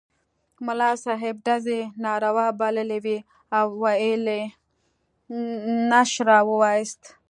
ملا صاحب ډزې ناروا بللې وې او ویل یې نشره ووایاست.